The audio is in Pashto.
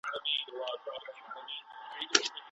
د ماشومانو پوښتني کله ناکله عجیبې وي.